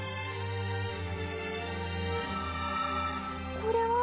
これは？